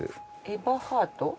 「エバハート」？